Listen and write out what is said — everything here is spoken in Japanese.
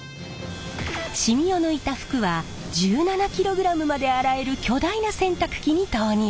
しみを抜いた服は１７ｋｇまで洗える巨大な洗濯機に投入。